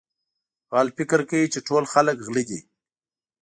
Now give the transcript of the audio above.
غل فکر کوي چې ټول خلک غله دي.